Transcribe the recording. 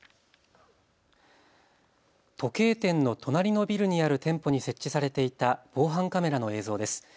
時計店の隣のビルにある店舗に設置されていた防犯カメラの映像です。